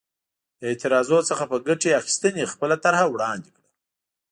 د اعتراضونو څخه په ګټې اخیستنې خپله طرحه وړاندې کړه.